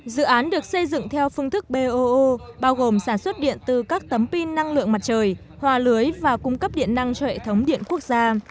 dự án được xây dựng theo phương thức boo bao gồm sản xuất điện từ các tấm pin năng lượng mặt trời hòa lưới và cung cấp điện năng cho hệ thống điện quốc gia